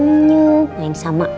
dan yang katakan adalah